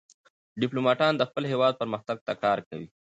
ډيپلومات د خپل هېواد پرمختګ ته کار کوي.